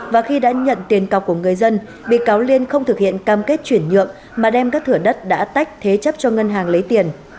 và khi đã nhận tiền cọc của người dân bị cáo liên không thực hiện cam kết chuyển nhượng mà đem các thửa đất đã tách thế chấp cho ngân hàng lấy tiền